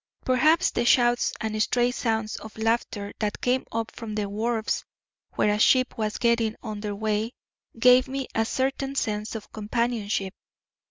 Perhaps the shouts and stray sounds of laughter that came up from the wharves where a ship was getting under way gave me a certain sense of companionship.